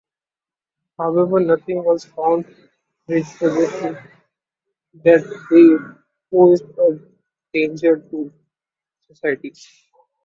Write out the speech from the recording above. However, nothing was found which suggested that they posed a danger to society.